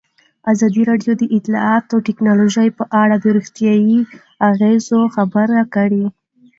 ازادي راډیو د اطلاعاتی تکنالوژي په اړه د روغتیایي اغېزو خبره کړې.